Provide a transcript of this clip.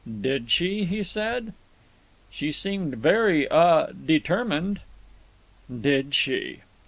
"Did she?" he said. "She seemed very—ah—determined." "Did she!"